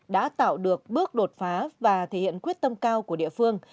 đã tạo được bước đột phá và thể hiện quyết tâm cao của địa phương